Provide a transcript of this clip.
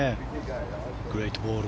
グレイトボール